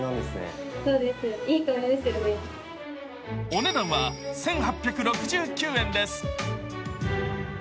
お値段は１８６９円です。